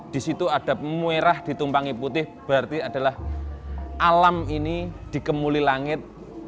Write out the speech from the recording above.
di situ ada muirah ditumpangi putih berarti adalah alam ini dikemuli langit